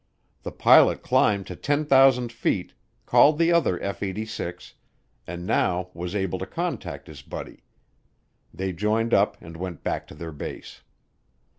The pilot climbed to 10,000 feet, called the other F 86, and now was able to contact his buddy. They joined up and went back to their base.